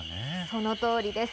そのとおりです。